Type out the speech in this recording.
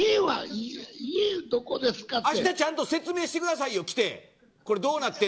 あしたちゃんと説明してください来て。